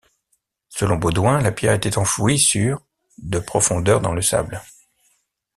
Selon Baudouin, la pierre était enfouie sur de profondeur dans le sable.